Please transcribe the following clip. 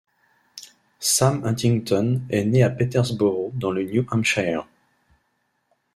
Sam Huntington est né à Peterboroug dans le New Hampshire.